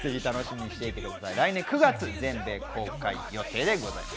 来年９月、全米公開予定でございます。